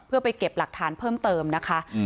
เพื่อไปเก็บหลักฐานเพิ่มเติมนะคะ